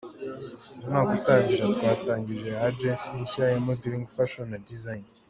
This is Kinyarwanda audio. Umwaka utangira twatangije agency nshya ya modeling, fashion na design.